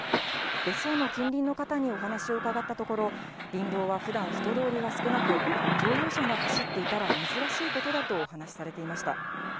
別荘の近隣の方にお話を伺ったところ、林道はふだん、人通りが少なく、乗用車が走っていたら珍しいことだとお話されていました。